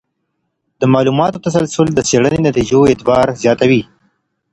د معلوماتو تسلسل د څېړنې د نتیجو اعتبار زیاتوي.